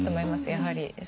やはり。